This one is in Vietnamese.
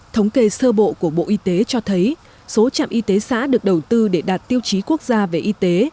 thống kê sơ bộ của bộ y tế cho thấy số trạm y tế xã được đầu tư để đạt tiêu chí quốc gia về y tế